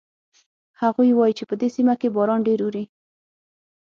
هغوی وایي چې په دې سیمه کې باران ډېر اوري